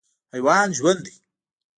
حیوان ژوند دی.